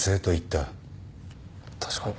確かに。